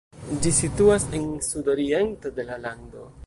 Ĝi situas en sud-oriento de la lando.